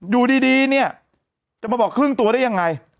อยู่ดีเนี่ยจะมาบอกครึ่งตัวได้ยังไง